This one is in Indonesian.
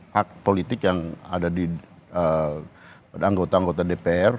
hak politik yang ada di anggota anggota dpr